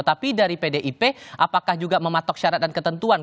tapi dari pdip apakah juga mematok syarat dan ketentuan